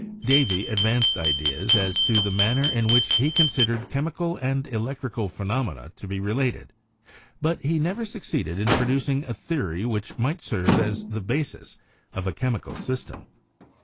Davy advanced ideas as to the manner in which he considered chemical and electrical phenomena to be related, but he never succeeded in producing a theory which might serve as the basis of a chemical system.